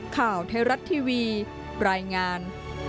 ข่าวไทยรัฐทีวีรายงาน